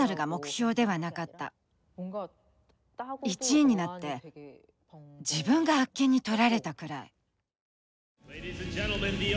１位になって自分があっけにとられたくらい。